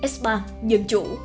s ba dân chủ